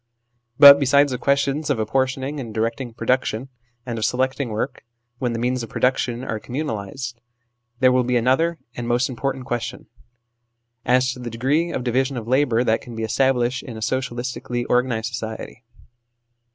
But besides the questions of apportioning and directing production and of selecting work, when the means of production are communalised there will be another and most important question as to the degree of division of labour that can be established in a socialistically organised society.